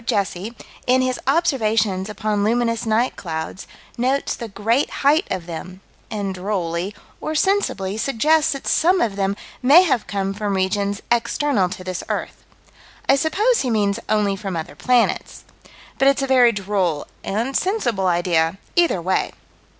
Jesse, in his observations upon luminous night clouds, notes the great height of them, and drolly or sensibly suggests that some of them may have come from regions external to this earth. I suppose he means only from other planets. But it's a very droll and sensible idea either way.